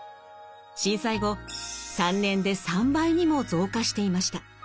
震災後３年で３倍にも増加していました。